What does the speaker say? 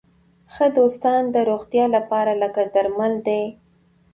ښه دوستان د روغتیا لپاره لکه درمل دي.